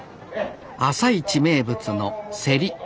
朝市名物の競り。